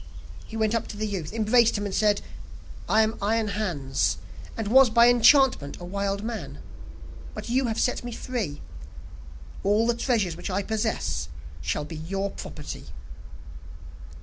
He went up to the youth, embraced him and said: 'I am Iron Hans, and was by enchantment a wild man, but you have set me free; all the treasures which I possess, shall be your property.